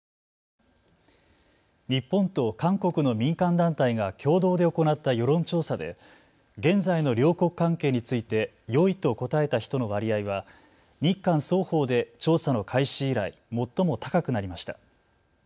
日本と韓国の民間団体が共同で行った世論調査で現在の両国関係について、よいと答えた人の割合は日韓双方で調査の開始以来、最も高くなりました。